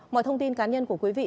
mọi thông tin cá nhân của quý vị